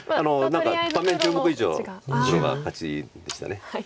何か盤面１０目以上黒が勝ちでした。